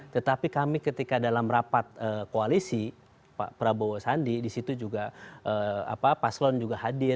tetapi kami ketika dalam rapat koalisi pak prabowo sandi di situ juga paslon juga hadir